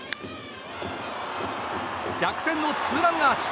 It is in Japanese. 逆転のツーランアーチ。